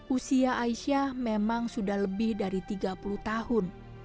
usia aisyah memang sudah lebih dari tiga puluh tahun